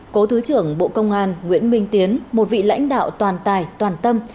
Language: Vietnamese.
cố thứ trưởng bộ công an nguyễn minh tiến một vị lãnh đạo toàn tài toàn tâm